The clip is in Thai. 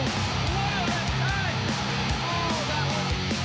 สวัสดีครับ